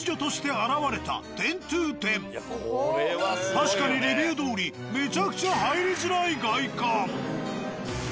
確かにレビューどおりめちゃくちゃ入りづらい外観。